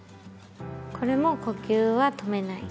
これも呼吸は止めない。